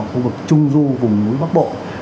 ở khu vực trung du vùng núi bắc bộ